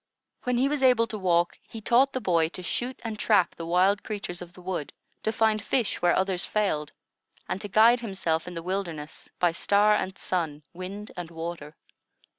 When he was able to walk, he taught the boy to shoot and trap the wild creatures of the wood, to find fish where others failed, and to guide himself in the wilderness by star and sun, wind and water.